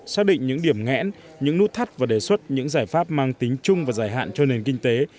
xác định những điểm ngẽn những nút thắt và đề xuất những giải pháp mang tính chung và dài hạn cho nền kinh tế